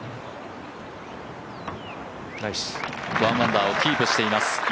１アンダーをキープしています。